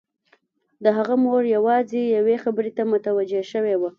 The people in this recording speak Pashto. د هغه مور یوازې یوې خبرې ته متوجه شوې وه